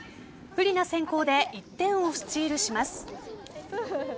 不利な先攻で１点をスチールします。